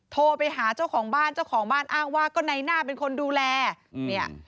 โทรไปหาเจ้าของบ้านเจ้าของบ้านอ้างว่าก็ในหน้าเป็นคนดูแลเนี่ย